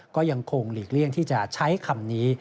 ก็ยังคงหลีกเลี่ยงที่จะใช้คำนี้